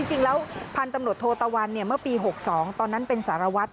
จริงแล้วพันธุ์ตำรวจโทตะวันเมื่อปี๖๒ตอนนั้นเป็นสารวัตร